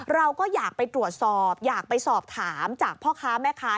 เราก็อยากไปตรวจสอบอยากไปสอบถามจากพ่อค้าแม่ค้า